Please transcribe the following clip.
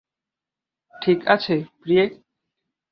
ঠিক আছে, প্রিয়ে।